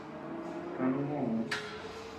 Kanuu moo.